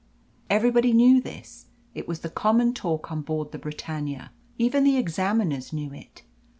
Everybody knew this. It was the common talk on board the Britannia. Even the examiners knew it.